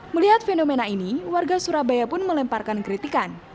melihat fenomena ini warga surabaya pun melemparkan kritikan